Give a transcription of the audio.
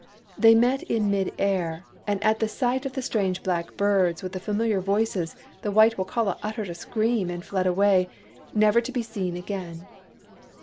They met in mid air. 2o8 THE BURNING OF THE CROWS and at sight of the strange black birds with the familiar voices the white Wokala uttered a scream and fled away, never to be seen again.